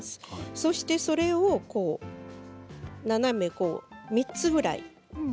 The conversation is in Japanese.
そして、それを斜め３つぐらい。